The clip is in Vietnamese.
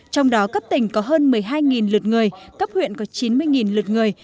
trong đó cấp tỉnh có hơn một mươi hai lượt người cấp huyện có chín mươi lượt người